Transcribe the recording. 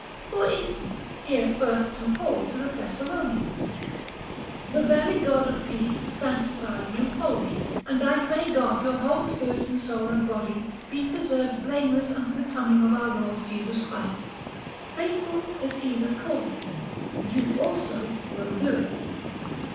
For instance, hear first St. Paul to the Thessalonians: "The very God of peace sanctify you wholly; and I pray God your whole spirit and soul and body be preserved blameless unto the coming of our Lord Jesus Christ. Faithful is he that calleth you, who also will do it."